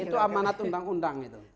itu amanat undang undang